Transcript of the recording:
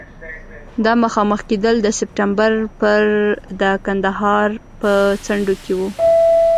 دا مخامخ کېدل د سپټمبر پر د کندهار په څنډو کې وو.